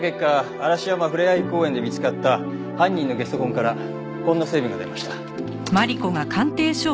嵐山ふれあい公園で見つかった犯人のゲソ痕からこんな成分が出ました。